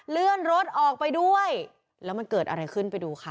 เลื่อนรถออกไปด้วยแล้วมันเกิดอะไรขึ้นไปดูค่ะ